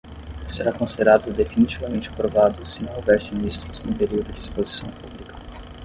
Será considerado definitivamente aprovado se não houver sinistros no período de exposição pública.